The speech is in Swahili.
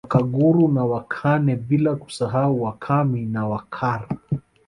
Wakaguru na Wakahe bila kusahau Wakami na Wakara